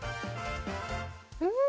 うん。